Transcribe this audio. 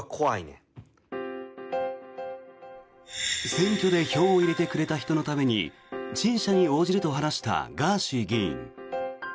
選挙で票を入れてくれた人のために陳謝に応じると話したガーシー議員。